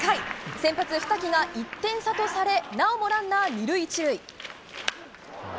先発、二木が１点差とされなおもランナー２塁１塁。